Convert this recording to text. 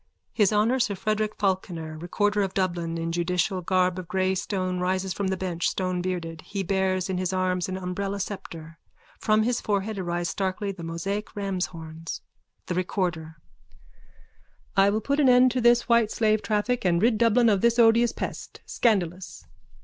_(His Honour, sir Frederick Falkiner, recorder of Dublin, in judicial garb of grey stone rises from the bench, stonebearded. He bears in his arms an umbrella sceptre. From his forehead arise starkly the Mosaic ramshorns.)_ THE RECORDER: I will put an end to this white slave traffic and rid Dublin of this odious pest. Scandalous!